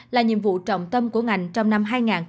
là nhiệm vụ trọng tâm của ngành trong năm hai nghìn hai mươi